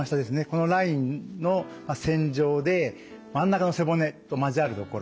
このラインの線状で真ん中の背骨と交わる所